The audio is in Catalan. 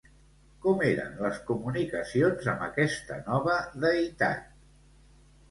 Com eren les comunicacions amb aquesta nova deïtat?